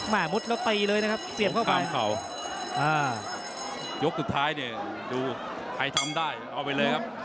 มุดแล้วตีเลยนะครับเสียบเข้ากลางเข่าอ่ายกสุดท้ายเนี่ยดูใครทำได้เอาไปเลยครับ